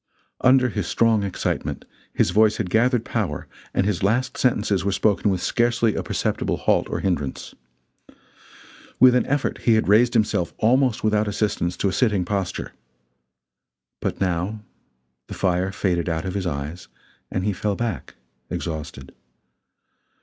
Under his strong excitement his voice had gathered power and his last sentences were spoken with scarcely a perceptible halt or hindrance. With an effort he had raised himself almost without assistance to a sitting posture. But now the fire faded out of his eyes and he fell back exhausted.